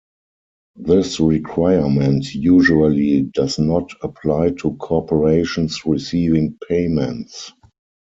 This requirement usually does not apply to corporations receiving payments.